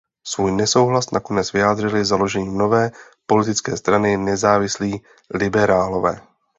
Svůj nesouhlas nakonec vyjádřili založením nové politické strany Nezávislí liberálové.